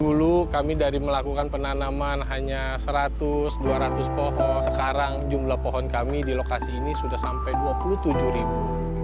dulu kami dari melakukan penanaman hanya seratus dua ratus pohon sekarang jumlah pohon kami di lokasi ini sudah sampai dua puluh tujuh ribu